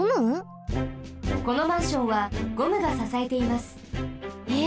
このマンションはゴムがささえています。え？